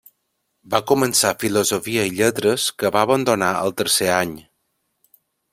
Va començar Filosofia i Lletres, que va abandonar al tercer any.